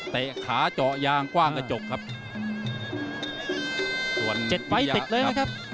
ขาเจาะยางกว้างกระจกครับส่วนเจ็ดไฟล์ติดเลยนะครับ